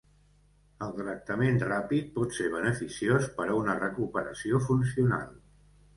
El tractament ràpid pot ser beneficiós per a una recuperació funcional.